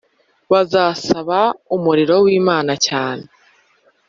bazasaba umuriro wimana cyane.